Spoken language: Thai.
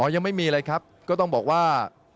ยังไม่มีเลยครับก็ต้องบอกว่า